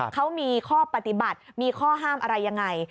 เขามีข้อปฏิบัติมีข้อห้ามอะไรยังไง